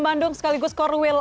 bandung sekaligus core wheel